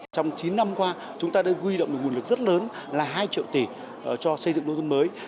trong chín năm qua chúng ta đã huy động được nguồn lực rất lớn là hai triệu tỷ cho xây dựng nông thôn mới